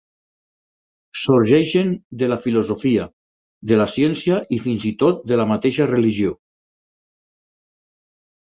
Sorgeixen de la filosofia, de la ciència i fins i tot de la mateixa religió.